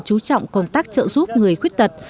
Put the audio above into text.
chú trọng công tác trợ giúp người khuyết tật